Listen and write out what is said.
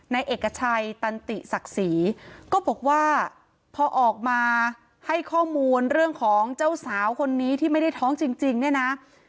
เอกชัยตันติศักดิ์ศรีก็บอกว่าพอออกมาให้ข้อมูลเรื่องของเจ้าสาวคนนี้ที่ไม่ได้ท้องจริงเนี่ยนะ